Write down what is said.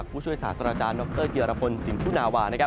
จากวุชวยสาธาราจารย์นเยียรภนสินภูนาวา